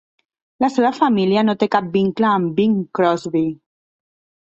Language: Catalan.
La seva família no té cap vincle amb Bing Crosby.